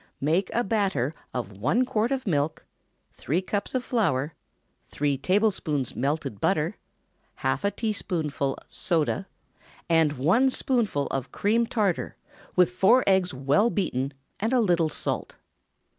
Make a batter of one quart of milk, three cups of flour, three tablespoonfuls melted butter, half a teaspoonful soda, and one spoonful of cream tartar, with four eggs well beaten, and a little salt.